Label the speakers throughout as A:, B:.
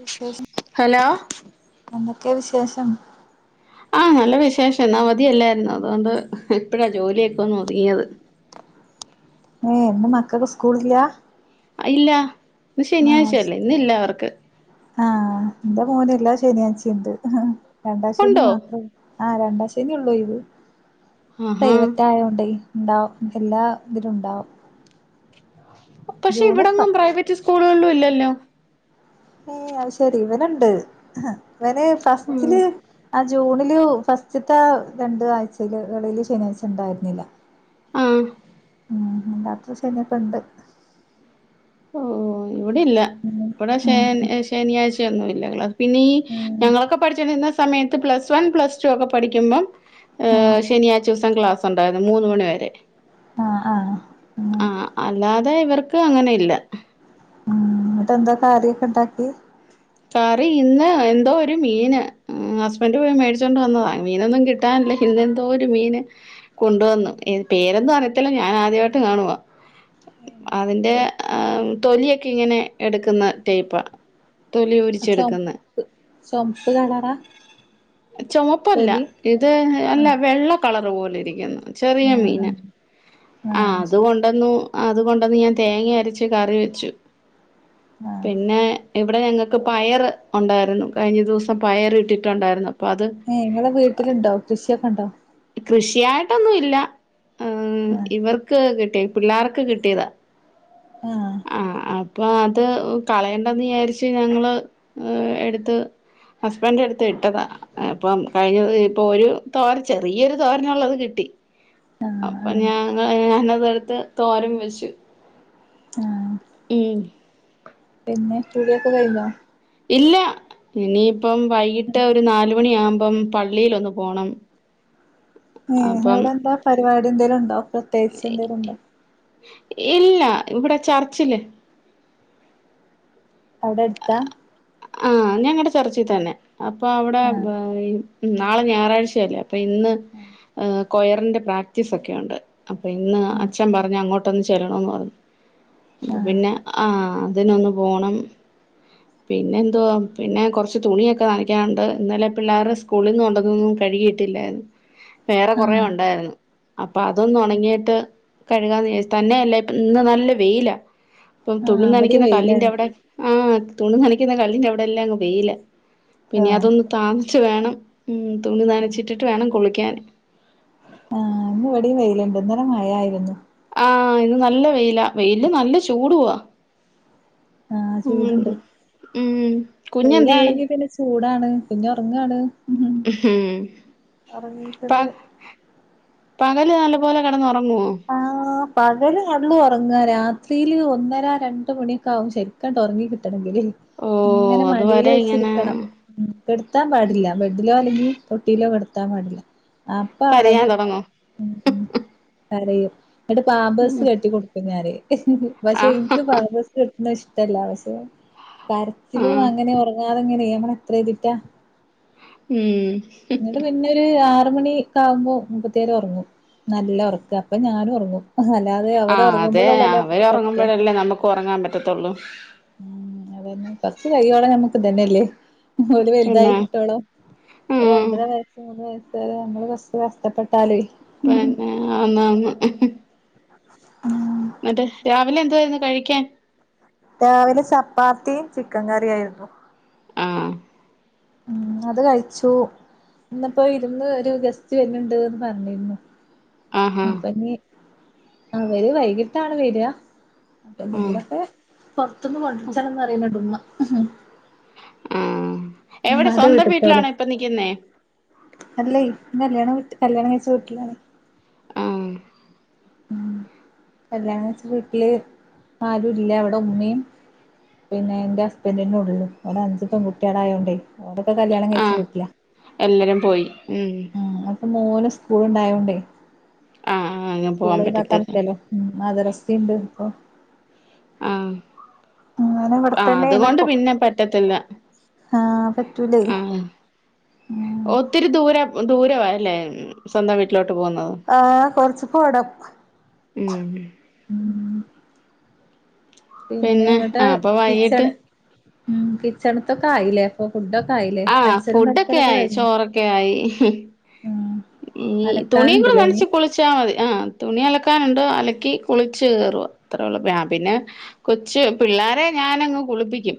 A: വിശേഷം
B: ഹലോ
A: എന്തൊക്കെയാ വിശേഷം
B: ആഹ് നല്ല വിശേഷം ഇന്ന് അവധിയല്ലാരുന്നോ അതുകൊണ്ട് ഇപ്പഴാ ജോലിയൊക്കെ ഒന്ന് ഒതുങ്ങിയത് [unintelligible]
A: ഏ ന്ന് മകക്ക്‌ സ്കൂള്ല്ല്യ?
B: ഇല്ല ന്ന് ശനിയാഴ്ചല്ലേ ഇന്നില്ല അവർക്ക്.
A: ആ ഹ് ന്റെ മോന് ല്ലാ ശനിആച്ചി ണ്ട് രണ്ടാ ശനി
B: ഉണ്ടോ
A: മാത്രം ആ [unintelligible] ഇത്
B: ആഹാ
A: പ്രൈവറ്റ് ആയോണ്ടെ ണ്ടാവു എല്ലാ ഇതിലും ണ്ടാവു.
B: പഷെ ഇവ്ടെങ്ങും പ്രൈവറ്റ് സ്കൂളുകള്ളും ഇല്ലല്ലോ?
A: ഏ അഹ് ശരി ഇവന്ണ്ട് ഹ വന് ഫസ്റ്റില് അ ജൂണില് ഫസ്റ്റ്ത്തെ രണ്ട് ആഴ്ചയില് ളെല് ശനിയാഴ്ച ണ്ടായിര്ന്നില്ല.
B: ആ ഹ്
A: മ് [unintelligible] ഇണ്ട്
B: ഓ ഇവിടില്ല. വടെ ശെ
A: ഉം
B: ന് ശനിയാഴ്ചയൊന്നും ഇല്ല ക്ലാ പിന്നീ
A: ഉം
B: ഞങ്ങളൊക്കെ പഠിചോണ്ടിര് ന്ന സമയത്ത് പ്ലസ് വൺ പ്ലസ് ചോ ക്കെ പഠിക്കുമ്പം ഏ
A: ആഹ്
B: ശനിയാഴ്ചോ സം ക്ലാസൊ ണ്ടാര്ന്ന് മൂന്ന് മണി വെരെ.
A: ആഹ് ആഹ് അങ്ങനെ
B: ആഹ് അല്ലാതെ ഇവർക്ക് അങ്ങനെ ഇല്ല.
A: ഉം ന്ന്ട്ട് ന്താ കറിക്കെ ണ്ടാക്കി?
B: കറി ഇന്ന് എന്തോ ഒരു മീന് ഹ് ഹസ്ബന്റ് പോയി മേടിച്ചോണ്ട് വന്നതാ മീനൊന്നും കിട്ടാനില്ല എന്തോ ഒരു മീന് കൊണ്ടുവന്ന് പേരെന്നും അറിയത്തില്ല ഞാൻ ആദ്യയിട്ട് കാണുവാ. അതിന്റെ
A: ശരി
B: തൊലിയൊക്കെ ഇങ്ങനെ എടുക്ക്ന്ന ട്ടൈപ. തൊലി ഉരിച്ചെടുക്കുന്നെ.
A: ചൊമപ്പ് ചൊമപ്പ് കളറാ
B: ചോമപ്പല്ല
A: തൊലി
B: ഇത് അല്ല
A: ആഹ്
B: വെള്ള കളർ പോലിരിക്കുന്നു. ചെറിയ
A: ആഹ്
B: മീനെ
A: ആഹ്
B: ആ
A: ആഹ് ശരി
B: അതുകൊണ്ടന്നു അതുകൊണ്ടന്ന് ഞാൻ തേങ്ങി അരച്ച് കറി വെച്ചു
A: ആഹ്
B: പിന്നെ ഇ ഇവിടെ ഞങ്ങക്ക് പയർ ഒണ്ടായ്ര്ന്നു കഴിഞ്ഞ ദിവ്സം പയർ ഇട്ടിട്ടോണ്ടായിരുന്നു.
A: ഇങ്ങളെ വീട്ടില്ണ്ടോ കൃഷിയൊക്കെ ണ്ടോ?
B: കൃഷിയായിട്ടൊന്നും ഇല്ല ആ
A: ആഹ്
B: ഇവർക്ക് കിട്ടിയ പിള്ളാർക്ക് കിട്ടിത.
A: ആഹ്
B: ആഹ അപ്പൊ അത് കളയണ്ടന്ന് യാരിച്ച് ഞങ്ങള് ഏ എടുത്ത് ഹസ്ബന്റ് എടുത്ത് വിട്ടതാ. അപ്പം കഴിഞ്ഞത് ഇപ്പൊ ഒരു തോര ചെറിയൊരു തോരനോള്ളത് കിട്ടി. അപ്പൊ
A: ആഹ്
B: ഞാങ്ങ ഞാനതടുത്ത് തോരൻ വെച്ചു.
A: ആ
B: ഉം
A: പിന്നെ കുളിയൊക്കെ കയ്ഞ്ഞോ?
B: ഇല്ല ഇനിയിപ്പം വൈകിട്ട് ഒരു നാലുമണിയാ മ്പം പള്ളിലൊന്ന് പോണം
A: ഏ
B: അപ്പം
A: അവ്ടെ ന്താ പരിപാടി ന്തേലും ണ്ടോ പ്രത്യേച്ച് ന്തേലും ണ്ടോ?
B: ഇല്ല ഇവ്ടെ ചർച്ചില്.
A: അവ്ട ട് ത്താ?
B: ആ ഞങ്ങടെ ചർച്ചി തന്നെ അപ്പൊ അവ്ടെ
A: ആഹ്
B: ബ ഈ നാളെ ഞായറാഴ്ചയല്ലേ ഇന്ന് ഏ കൊയറിന്റെ പ്രാക്ടീസ് ഒക്കെയോണ്ട്. അപ്പൊ ഇന്നാ അച്ഛൻ പറഞ്ഞ അങ്ങോട്ടൊന്ന് ചെലണോന്ന് പറഞ്ഞു. അപ്പൊ
A: ആഹ്
B: പിന്നെ ആ അതിനൊന്നു പോണം. പിന്നെ എന്തുവാ പിന്നെ കൊറച്ച് തുണിയെക്കെ നനയ്ക്കാണ്ട് ന്നലെ പിള്ളേർ സ്കൂളിന്ന് കൊണ്ടൊന്നോ ന്നു കഴുകിയിട്ടി വേറെ കൊറേ
A: ആഹ്
B: ഒണ്ടായിര്ന്നു അപ്പൊ അതൊന്നു ഒണങ്ങിട്ട് കഴുകാന്ന് തന്നെയല്ല ഇപ്പ ഇന്ന് നല്ല വെയില. പ്പം തുണു
A: ആഹ് ഇവിടെയും
B: നനയ്ക്കിന്ന കല്ലിന്റെ
A: വെയിലാണ്
B: അവ്ടെ ആ തുണു നനയ്ക്ക്‌ന്ന കല്ലിന്റെ അവ്ടെ എല്ലാ അങ്ങ് വെയില. പിന്നെ
A: ആഹ്
B: അതൊന്ന് താന്നിട്ട് വേണം മ് തുണി നനച്ചിട്ടിട്ട് വേണം കുളി ക്ക്യൻ.
A: ആഹ ന്ന് വടി വെയില്ണ്ട് ഇന്നലെ മഴായായിരുന്നു.
B: ആഹ ഇന്ന് നല്ല വെയില വെയ്ല്ല് നല്ല ചൂടു വാ.
A: ആഹ ചൂട്ണ്ട്
B: ഉം കുഞ്ഞെന്തിയേ
A: വെയിലാണെങ്കി പിന്നെ ചൂടാണ് പിന്നെ ഒറങ്ങാണ്.
B: മ് ഹ് പ
A: ഒറങ്ങീക്ക്ണ്
B: പകല് നല്ലപോലെ കെടന്നൊറ ങ്ങുവോ
A: പകല കടന്ന് ഉറങ്ങാ രാത്രിയില് ഒന്നര രണ്ട മണിയൊക്കെ ആകും ശരിക്ക ഉറങ്ങി കിട്ടണം ഇ
B: ഓ
A: ഇങ്ങനെ മടിൽ
B: അതുവരെ ഇങ്ങനെ
A: വെച്ചിരിക്കണം കെടുത്താൻ പാടില്ല ബെഡിലോ അല്ലെങ്കിൽ തൊട്ടിയിലോ കടത്ത കത്താൻ പാടില്ല അപ്പൊ
B: കരയാൻ
A: എളകും
B: തുടങ്ങോ
A: കരയും എന്നിട്ട് പാബേസ് കെട്ടി കൊടുക്കുന്ന പക്ഷെ
B: ആഹ്
A: എനിക്ക് പാബേസ് ന്നും ഇഷ്ടല്ല പക്ഷെ കരച്ചിലും
B: ആഹ്
A: അങ്ങനെ ഉറങ്ങാതെ ഇങ്ങനെമ്മടെ എത്രതിറ്റാ
B: ഉം
A: എന്നിട്ട പിന്നെരു ആ ആറ് മണി ഒക്കെ ആകുമ്പോ മൂപ്പത്ത്യാര് ഉറങ്ങും നല്ല ഉറക്ക അപ്പൊ ഞാനും ഉറങ്ങും അല്ലാതെ
B: ആ
A: അവര്
B: അതെ
A: ഉറങ്ങുമ്പോഴ ഉള്ളല്ലേ
B: അവര്
A: നമുക്ക് പറ്റാ
B: ഉറങ്ങുമ്പോഴല്ലേ നമുക്ക് ഉറങ്ങാൻ പറ്റത്തുള്ളൂ
A: ഉം അതന്നെ ഫസ് ഓല് വലുതാ
B: പിന്നെ ഉം
A: നമ്മള് റോച്ച് കഷ്ടപ്പെട്ടാ
B: പിന്നെ ആന്ന് ആന്ന്
A: ആ
B: എന്നിട്ട് രാവിലെ എത്യോരുന്നു കഴിക്കാൻ
A: രാവിലെ ചപ്പാത്തിയും ചിക്കൻ കറിയയിരുന്നു
B: ആഹ്
A: ഉം അത് കഴിച്ചു ഇന്നപ്പോ വിരുന്ന് ഒരു ഗസ്റ്റ് വന്നെണ്ട്ന്ന് പറഞ്ഞിരുന്നു
B: ആഹാ
A: അപ്പൊഞ് അവര് വൈകിട്ടാണ് വരി അപ്പ
B: ഉം
A: എന്തെങ്കിലൊക്കെ പുറത്തുന്ന് കൊണ്ടിച്ചാണം ന്ന് പറിയണണ്ട് മ്മ
B: ആ
A: ഉമ്മാന്റെ വീട്ട് തോല്ലെ അല്ല ഇല്യാണം വീട്ട കല്യാണം കഴിച്ച വീട്ടിലാണ്
B: ആ
A: ഉം കല്യാണം വെച്ച വീട്ടില് ആരും ഇല്ല അവിടെ ഉമ്മയും പിന്നെ എന്റെ ഹസ്ബൻഡിന ഉള്ളള്ളൂ ഒ അഞ്ചപ്പെൺകുട്ടികളായോണ്ടേ ഇ കല്യാണം കഴച്ച
B: ആഹ്
A: വീട്ടില്ല
B: എല്ലാരും പോയി ഉം
A: അ മോന് സ്കൂളുണ്ടായോണ്ടേ
B: ആഹ് ആ
A: സ്കൂല് ഒഴിവാക്കാൻ പറ്റില്ലല്ലോ മ് മദ്രസ ഇണ്ട് ഇപ്പൊ
B: ആഹ
A: അങ്ങനെ
B: ആ അതുകൊണ്ട് പിന്നെ പറ്റത്തില്ല
A: ആഹ പറ്റൂലേ
B: ആഹ്
A: ഉം
B: ഒത്തിരി ദൂരം ദൂര അല്ലേ സ്വന്തം വീട്ടിലോട്ട് പോകുന്നത്
A: ആഹ് കൊറച്ച് പോണം
B: ഉമ്
A: ഉം പിന്നെ എങ്ങട്ട്
B: ആഹ് അപ്പൊ വൈകിട്ട്
A: കിച്ചണ് ഉ കിച്ചണത്തൊക്കെ ആയില്ലേ അപ്പൊ ഫുഡൊക്കെ ആയില്ലേ
B: ആഹ
A: അടിച്ചലും
B: ഫുഡൊക്കെ
A: തൊടക്കലൊക്കെ
B: ആയി
A: കഴിഞ്ഞോ
B: ചോറൊക്കെ ആയി
A: ആഹ്
B: ഈ തുണിയ കൂടെ
A: അലക്കാനുണ്ട്ല്ലേ ഇനി
B: നനച്ചു കുളിച്ചാൽ മതി ആഹ് തുണി അലക്കാനുണ്ട് അലക്കി കുളിച്ച് കേറുവ അത്രേയുള്ളു ആ പിന്നെ കൊച്ച് പിള്ളേരെ ഞാൻ അ ങ് കുളിപ്പിക്കും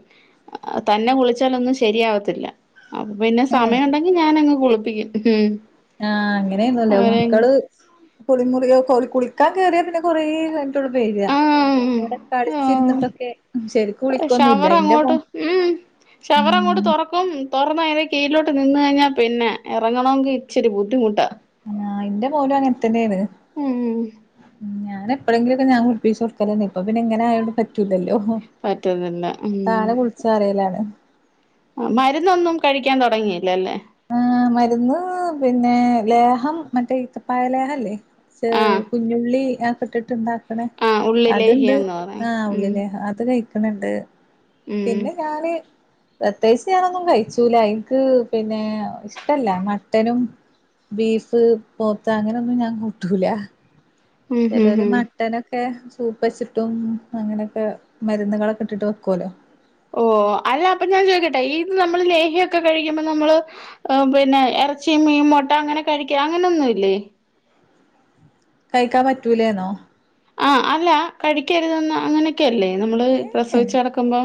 B: തന്നെ കുളിച്ചാലൊന്നും ശരിയാവത്തില്ല അപ്പൊ പിന്നെ
A: ഏഹ്
B: സമയം ഉണ്ടെങ്കി ഞാനങ്ങ് കുളിപ്പിക്കും ഉമ്
A: ആഹ അങ്ങനെയന്നുംല്ലേ മക്കള് കുളിമുറി ഓള കുളി ക്കാൻ കേയറിയാ പിന്നെ കൊറേ കിയിഞ്ഞ പേര്യാ
B: ആഹ്
A: അവിടെ
B: ആഹ്
A: കളിച്ചിരുന്നിട്ടൊക്കെ ശരിക്കും കുളിക്കൊന്നുംല്ല ഇന്റെ മോ
B: ശവര് അങ്ങട്ട് തൊറക്കും തുറന്ന് അതി കീഴിലോട്ട് നിന്ന് കഴിഞ പിന്നെ ഇറങ്ങണമെങ്കിൽ ഇച്ചിരി ബുദ്ധിമുട്ടാണ്
A: ആ ഇന്റെ മോനും അങ്ങനെ തന്നെ ആണ്
B: ഉം
A: ഞാന എപ്പലെങ്കിലുംഞാൻ കുളിപ്പിച്ച കൊടുക്കലന്നെ ഇപ്പ പിന്നെങ്ങനെ ആയോണ്ട് പറ്റൂല്ലല്ലോ
B: പറ്റുന്നില്ല
A: അ താനെ കുളിച്ചറിയിലാണ്
B: ആ മരുന്നൊന്നും കഴിക്കാൻ തുടങ്ങിയില്ല ല്ലേ
A: ആ മരുന്ന് പിന്നെ ലേഹം മറ്റേ ഈത്തപ്പായ ലേഹ ല്ലേ
B: ആഹ്
A: കുഞ്ഞുള്ളി അക്കെ ഇട്ടിട്ട്ണ്ടാക്ക
B: ആഹ്
A: അത്ണ്ട്
B: ഉള്ളിലേഹ്യംന്ന്
A: ആ
B: പറയും
A: ഉള്ളി
B: ഉം
A: ലേഹ്യം അത് കഴിക്കണണ്ട്
B: ഉം
A: പിന്നെ ഞാന് പ്രതേകിച്ചു ഞാനൊന്നും കഴിച്ചൂല ഇനിക്ക് പിന്നെ ഇഷ്ടല്ല മട്ടനും ബീഫ് പോത്ത് അങ്ങനെന്നും ഞാൻ കൂട്ടൂല
B: ഉം ഹും
A: ചിലര്
B: ഹും
A: മട്ടനൊക്കെ ഒക്കെ സൂപ്പ് വെച്ചിട്ടും അങ്ങനെയൊക്കെ മരുന്നുകളൊക്കെ ഇട്ടിട്ട് വെക്കല്ലോ
B: ഓ അല്ല അപ്പൊ ഞാൻ ചോദിക്കട്ടെ ഈ ഇത് നമ്മള് ലേഹൊക്കെ കഴിക്കുമ്പോ നമ്മള് പിന്നെ ഇറച്ചി മീൻമോട്ട അങ്ങനെ കഴിക്ക അങ്ങനെയൊന്നുംല്ലേ
A: കഴിക്കാൻ പറ്റൂലേന്നോ
B: ആഹ അല്ല കഴിക്കരുതുന്ന അങ്ങനെയൊക്കെല്ലേ നമ്മള് പ്രസവിച്ച കടക്കുമ്പോ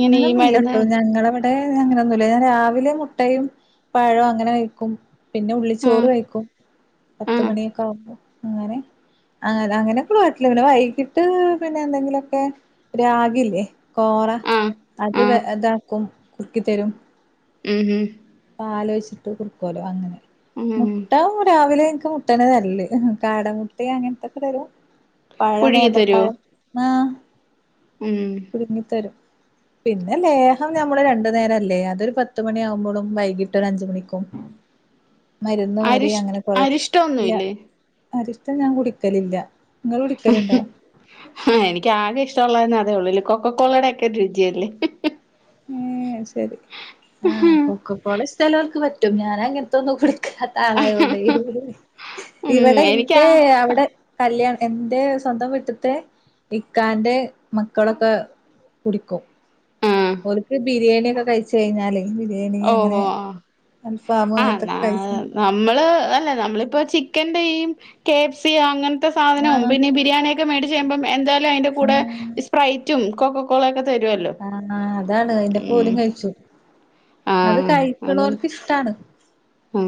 A: അങ്ങനെയൊന്നുമല്ല കേട്ടോ ഞങ്ങളവിടെ അങ്ങനെയൊന്നുമല്ല ഞൻ രാവിലെ മുട്ടയും പഴം അങ്ങനെ കഴിക്കും പിന്നെ ഉള്ളിച്ചോറ്
B: ആഹ്
A: കഴിക്കും
B: ആഹ്
A: പത്തുമണിയൊക്കെ ആവുമ്പോ അങ്ങനെ അ അങ്ങനക്കോള്ളട്ടില്ലേ പിന്നെ വൈകിട്ട് പിന്നെ എന്തെങ്കിലുമൊക്കെ രാഗില്ലേ കോറ
B: ആഹ്
A: അത്
B: ആഹ്
A: ഇതാക്കും കുറുക്കിത്തരും
B: ഉം ഉം
A: പാൽ ഒഴിച്ചിട്ട് കുടുക്കലോ അങ്ങനെ
B: ഉം ഉം
A: മുട്ട രാവിലെ ഒക്കെ മുട്ടണ നല്ല കാടംമുട്ടിയ അങ്ങനത്തെൊക്കെ തരും പഴ
B: പുഴുങ്ങി തരോ
A: നേതൃപ്പഴ ആഹ
B: ഉം
A: പുഴുങ്ങിത്തരും പിന്നെ ലേഹം നമ്മള് രണ്ടു നേരമല്ലേ അതൊരു പത്ത് മണിയ ആകുമ്പോഴും വൈകിട്ട് ഒരു അഞ്ചുമണി മരുന്ന് വരി
B: അരിഷ്
A: അങ്ങനെ കൊറ ഇല്ല
B: അരിഷ്ടൊന്നുല്ലേ
A: അരിഷ്ടം ഞാൻ കുടിക്കലില്ല നിങ്ങൾ കുടിക്കലുണ്ടോ
B: ആ എനിക്ക് ആകെ ഇഷ്ടമുള്ള അതേ ഉള്ളൂ കൊക്ക കോളയുടെ ഒക്കെ ഒരു രുചിയല്ലേ
A: ശരി ആഹ് കൊക്ക കോള ഇഷ്ട്ടം ഉള്ളോർക്ക് പറ്റും ഞാൻ അങ്ങനത്ത ഒന്നും കൂടി അ താളായതൊണ്ട്
B: ഉം
A: ഇവിടെ
B: എനിക്കാ
A: ഇന്റെ അവിടെ കല്യാണം എൻന്റെ സ്വന്തം വിട്ടത്തെ ഇക്കാന്റെ മക്കളൊക്കെ കുടിക്കും
B: ആഹ്
A: അവർക്ക് ബിരിയാണി ഒക്കെ കഴിച്ച കഴിഞ്ഞാല്
B: ഓഹോ
A: അൽഫാമ്
B: ആ
A: അങ്ങനത്തൊക്കെ കഴിച്ച്
B: നമ്മള് നമ്മളിപ്പോ ചിക്കൻ കഫ്‌സി അങ്ങനത്തെ
A: ആഹ്
B: സാധനന്നെ ബിയാണ മായിട്ട് ചെയുമ്പോ എന്തായാലും അതിന്റെ കൂടെ സ്പ്രൈറ്റും കോക്കോക്കെലക്കും
A: ആഹ അതാണ് അതിന്റെ പോലും കഴിച്ചു അത് കഴിക്കണവർക്ക് ഇഷ്ടാണ്
B: ഉഹ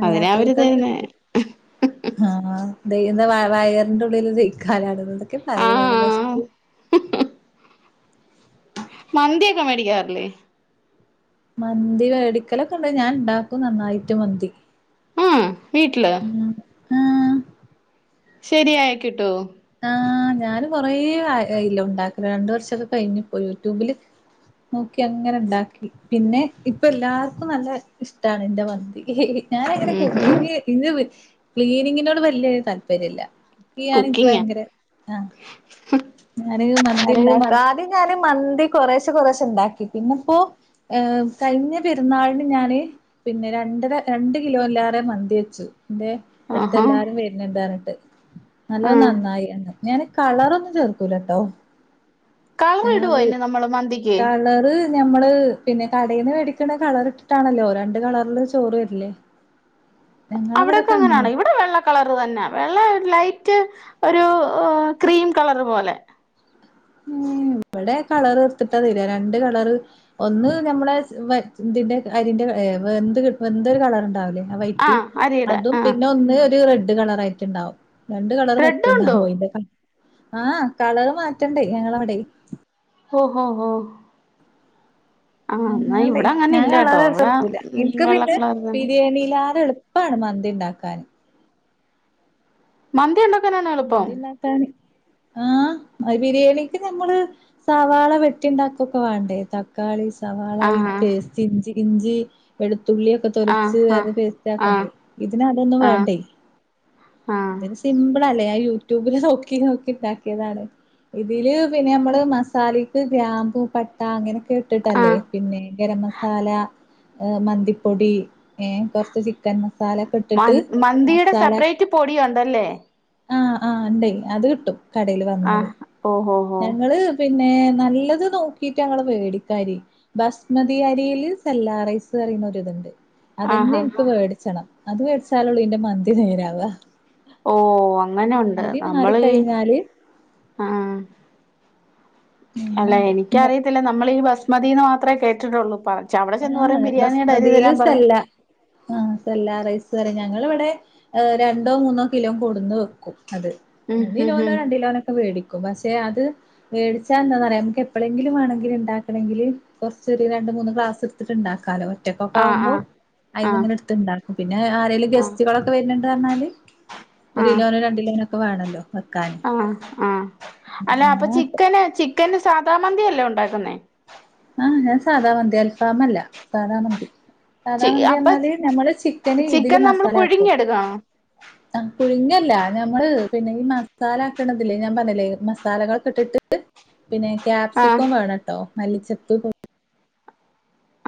A: അല്ല തോൽകത് പറ്റൂല എന്താ വ വയറിന്റെറെ ഉള്ളിൽ ദക്കാലാണ്തൊക്കെ പറയുന്നറ്റ്
B: ആഹ്
A: വിശപ്പ്
B: മന്തിയൊക്കെ മേടിക്കാറില്ലേ
A: മന്തി വേടിക്കലൊക്കെ ഉണ്ട് ഞാൻ ഉണ്ടാക്കും നന്നായിട്ട് മന്തി
B: ആഹ വീട്ടില്
A: ആഹ
B: ശരിയായ കിട്ടോ
A: ആഹ ഞൻ കൊറെേ ഇല്ല ഉണ്ടാക്ക രണ്ട് വർഷൊക്കെ കഴിഞ്ഞു ഇപ്പോൊ യൂട്യൂബില് നോക്കി അങ്ങനെ ഉണ്ടാക്കി പിന്നെ ഇപ്പൊ എല്ലാർക്കും നല്ല ഇഷ്ടാണ് എന്റെ മന്തി ഞാനങ്ങനെ
B: ഉം ഹും
A: കുക്കി ഇ ക്ലീനിങ്ങിനോട് വലിയ താല്പര്യമില്ലല്ല ഞാൻഇന്ന്
B: കുക്കിങ്ങാ
A: ഭയങ്കര ആഹ ഞാന് മന്തിണ്ട ആദ്യം ഞാന് മന്തി കുറേശെ കുറേശെ ഉണ്ടാക്കി പിന്നപ്പോ കഴിഞ്ഞ പെരുന്നാളിന് ഞാന് പിന്നെ രണ്ടര രണ്ട കിലോല്ലാാര മന്തി വെച്ചു എന്റെ അടുത്ത്
B: ആഹാ
A: എല്ലാരും വരുന്നത് പറഞ്ഞിട്ട് ഹലോ
B: ആഹ്
A: നന്നായി എ ഞാൻ കളറ ഒന്നും ചെർക്കൂലട്ടോ
B: കളർ
A: ഞാ
B: ഇടുവോ
A: വിളി
B: അയിന് നമ്മള് മന്തിക്ക്
A: കള്റ് ഞമ്മള് പിന്നെ കടയിന്ന് മേടിക്കണ കളറിട്ടാണല്ലോ രണ്ട് കളർല് ചോറ് വരു ലേ
B: മ്മ്... അവിടൊക്കങ്ങനാണോ ഇവടെ വെള്ള കളർ തന്ന്യാ വെള്ള ലൈറ്റ് ഒരു ക്രീം കളറ് പോലെ
A: ഉം ഇവടെ കളറൊട്ത്ത്ട്ടാ തെരാ രണ്ട് കളർ ഒന്ന് ഞമ്മളെ അരിന്റെ അരിന്റെ വെന്തൊര് കളറ്ണ്ടാവ് ലേ വൈറ്റ്,
B: ആഹ് അരിയുടെ
A: അതും
B: ആഹ്
A: പിന്നൊന്ന് ഒര് റെഡ് കളറായിട്ട്ണ്ടാവും. രണ്ട് കളറ്
B: റെഡും ഉണ്ടോ
A: പറ്റണ്ടാവോ അയിന്റെ, ആ കളറ് മാറ്റണ്ടേ ഞങ്ങളവ്ടെ
B: ഓ ഹ ഹ.
A: അങ്ങനണ്ടെ ഞാ
B: ഇല്ലാട്ടോ ഇവിടെ
A: [unintelligible]
B: ഉം
A: ഇൻക്ക്
B: വെള്ള
A: പിന്നെ
B: കളർ തന്നെ
A: ബിരിയാണീലാരും എളു ഇപ്പാണ് മന്തിണ്ടാക്കാന്
B: മന്തിണ്ടാ
A: മന്തിണ്ടാക്കാന് ആ ബിരിയാണിക്ക് നമ്മള് സവാള വെട്ടിണ്ടാക്കൊക്കെ വാണ്ടേ തക്കാളി സവാളായി
B: ആഹ്
A: പേസ്റ്റ് ഇഞ്ചി ഇഞ്ചി വെളു തുള്ള്യൊക്കെ
B: ആഹ്
A: തൊലച്ച് അത് പേസ്റ്റ്
B: ആഹ്
A: ആക്കണ്ടേ ഇതിനതൊന്നും
B: ആഹ്
A: വാണ്ടേ.
B: ആഹ് ആഹ്
A: ഇതിന് സിമ്പ്ളല്ലേ, ഞാൻ യൂട്യൂബില് നോക്കി നോക്കി ണ്ടാക്കിയതാണ്. ഇതില് പിന്നെ ഞമ്മള് മസാലക്ക് ഗ്രാമ്പൂ പട്ട അങ്ങനെ ഇട്ട്ട്ടല്ലേ
B: ആഹ്
A: പിന്നെ ഗരം മസാല മന്തിപ്പൊടി കൊറച്ച് ചി ക്കൻ
B: മ
A: മസാലക്കെട്ടിട്ട്
B: മന്തിയുടെ
A: മസാല
B: സെപ്പറേറ്റ് പൊടിയുണ്ടല്ലേ
A: ആഹ് ആ ണ്ടേ അത് കിട്ടും. കടേല്
B: ആ
A: വന്നാല്
B: ഓഹോ. ഹോ
A: ഞങ്ങള് പിന് ന്നെ നല്ലത് നോക്കിട്ടങ്ങള് വേടിക്കാരി ബസ്മതി അരീല് സെല്ലാറൈസ് ഇത്ണ്ട്, അതന്നെ
B: ആഹ്
A: ഇൻക്ക്
B: ആഹ്
A: മേടിച്ചണം അത് മേടിച്ചാലൊള്ളൂ ന്റെ മന്തി നേരാവാ.
B: ഓ അങ്ങനെണ്ട് നമ്മള് ഈ
A: മാറിക്കഴിഞ്ഞാല്
B: ആ. അല്ല
A: അങ്ങനെണ്ട്
B: എനിക്കറിയത്തില്ല നമ്മള് ഈ ബസ്മതീന്ന് മാത്രവേ കേട്ടിട്ടൊള്ളൂ പറ അവിടെ ചെന്ന്
A: ആ
B: പറയും ബിരിയാണിയുടെ അരി
A: ബസ്മതിയില്
B: തരാൻ പറയും
A: സെല്ല, ആ സെല്ലാറൈസ് ഞങ്ങളവ്ടെ ഹ് രണ്ടോ മൂന്നോ കിലോ കൊടുന്ന് വെക്കൂ അത്,
B: ഉം ഉം
A: മൂന്നിലോനോ
B: ഉം
A: രണ്ടിലോനൊക്കെ മേടിക്കും പശെ മേടിച്ചാ എന്താന്നറിയാേ അമ്മക്ക് എപ്പോളെങ്കിലും വേണെങ്കില് ണ്ടാക്കണമെങ്കിൽ കൊറച്ചൊര് രണ്ട് മൂന്ന് ക്ലാസ് എടുത്ത്ട്ട്ണ്ടാക്കാലോ
B: ആഹ്
A: ഒറ്റക്കെക്കാവുമ്പോ
B: ആഹ് ആഹ്
A: അയ്ന്നിങ്ങനെ എട്ത്ത്ണ്ടാക്കും, പിന്നെ ആരേലും
B: ആഹ്
A: ഗസ്റ്റുകളൊക്കെ വെര്ന് പറഞ്ഞാല് ഒരു കിലോനോ രണ്ടിലോനോക്കെ വേണല്ലോ വെക്കാന്
B: ആ ആ അല്ല അപ്പൊ
A: അങ്ങനെ
B: ചിക്കന് ചിക്കന് സാധാ മന്തിയല്ലേ ഒണ്ടാക്കുന്നേ?
A: ആ ഞാൻ സാദാ മന്തി അൽഫാമല്ല, സാദാ മന്തി. സധാ
B: ചി
A: മന്തീ
B: അപ്പൊ
A: അറഞ്ഞാല് ഞമ്മള് ചിക്കന് ഇതില്
B: ചിക്കൻ നമ്മൾ
A: മസാലാക്കും
B: പുഴുങ്ങിയെടുക്കണോ
A: അ പുഴുങ്ങല്ല ഞമ്മള് പിന്നെ ഈ മസാല ആക്കണതില്ലേ ഞാൻ പറഞ്ഞ്ല്ലേ മസാലകളൊക്കെട്ടിട്ട് പിന്നെ
B: ആഹ്
A: ക്യാപ്സിക്കോം വേണം ട്ടോ മല്ലിച്ചെപ്പ്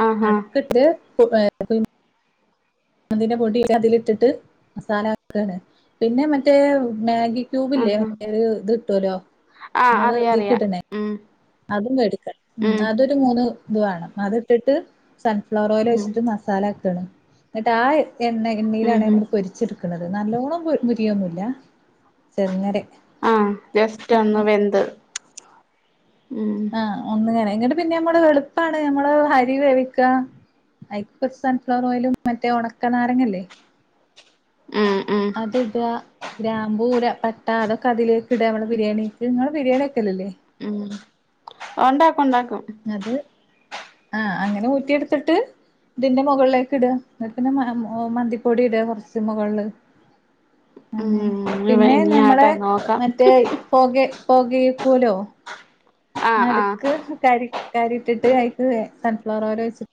B: ആഹ്
A: നടക്കത്ത് [unintelligible] അതിന്റെ പൊടി അതിലിട്ടിട്ടു മസാല ആക്കണ് പിന്ന മറ്റേ മാഗി ക്യൂബില്ലേ
B: ആഹ്
A: അങ്ങനരു ഇത് കിട്ടൂല്ലോ
B: ആഹ്
A: അമ്മള്
B: അറിയാം അറിയാം
A: ഇതീക്കിടണേ,
B: ഉം
A: അതും വേടിക്ക ഉം അതൊരു മൂന്ന്ത് വേണം. അത്ട്ട്ട്ട് സൺഫ്ലവർ
B: ഉം
A: ഓയിലൊയ്ച്ച്ട്ട് മസാലാക്കാണ് ന്നട്ട് ആ എണ്ണ എണ്ണയിലാണ് ഞമ്മള് പൊരിച്ചെട്ക്ക്ണത് നല്ലോണം മൊരിയൊന്നുല്ല ചെർങ്ങനെ
B: ആ ജസ്റ്റ് ഒന്ന് വെന്ത് ഉം
A: ആ ഒന്നങ്ങ്നെ ന്നട്ട് പിന്നെമ്മള് എളുപ്പാണ് ഞമ്മള് അരി വേവിക്ക അയിക്ക കൊർച്ച് സൺഫ്ലവർ ഓയിലും മറ്റേ ഒണക്കനാരങ്ങല്ലേ
B: ഉം ഉം
A: അത്ട്വാ ഗ്രാമ്പൂ ര പട്ട അതൊക്കെ അതിലേക്ക്ട ഞമ്മളെ ബിരിയാണീക്ക് ഇങ്ങളെ ബിരിയാണി ല്ലേ
B: ഉണ്ടാക്കുംണ്ടാക്കും
A: അത് ആഹ് അങ്ങനെ ഊറ്റി എടുത്തിട്ട് ഇതിന്റെ മുകളിലേക് ഇടും പിന്നെ മന്തിപ്പൊടി ഇട കുറച്ച് മുകളില്
B: ഉം
A: പിന്നെ
B: ഇനി
A: ഞമ്മള്
B: ആട്ടെ നോക്കാം
A: മറ്റേ പോകെ പോകയ്ക്കൂലോ
B: ആഹ് ആഹ്
A: നടുക്ക് കരി കരിട്ടിട്ട് അയിന്റെ മേലെ സൺഫ്ലവർ ഓയിൽ ഒഴിച്ചിട്ട്